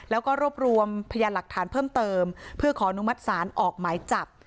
แล้วก็รวบรวมพยานหลักฐานเพิ่มเติมเพื่อขออนุมัติศาลออกหมายจับ